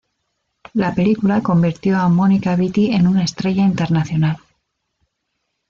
La película convirtió a Mónica Vitti en una estrella internacional.